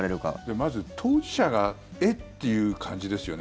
まず、当事者がえっ？っていう感じですよね。